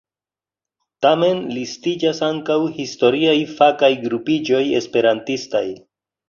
Tamen listiĝas ankaŭ historiaj fakaj grupiĝoj esperantistaj.